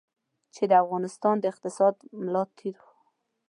چې د افغانستان د اقتصاد ملا تېر.